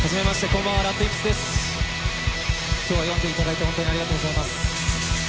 今日は呼んでいただいて本当にありがとうございます。